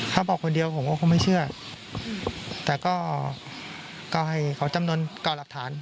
ถ้าบอกคนเดียวผมก็คงไม่เชื่อแต่ก็ให้เขาจำนวน๙หลักฐาน